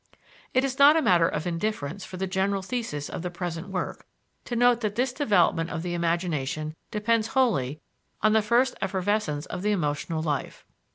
It is not a matter of indifference for the general thesis of the present work to note that this development of the imagination depends wholly on the first effervescence of the emotional life.